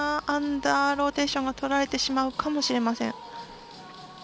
アンダーローテーションがとられてしまうかもしれません。